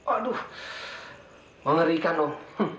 aduh mengerikan om